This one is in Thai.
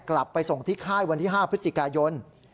กลับไปส่งที่ค่ายวันที่๕พฤศจิกายน